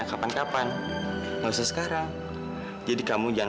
bapak pasti tahu sesuatu kan pak